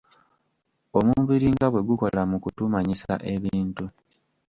Omubiri nga bwe gukola mu kutumanyisa ebintu.